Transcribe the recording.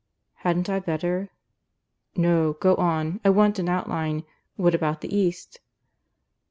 "Hadn't I better ?" "No; go on. I only want an outline. What about the East?"